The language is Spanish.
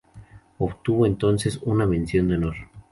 Obtuvo entonces una mención de honor.